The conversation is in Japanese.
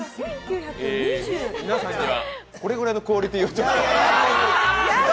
皆さんには、これぐらいのクオリティーを。